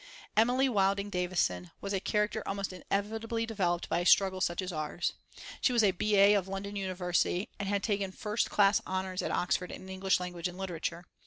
Emily Wilding Davison was a character almost inevitably developed by a struggle such as ours. She was a B. A. of London University, and had taken first class honours at Oxford in English Language and Literature.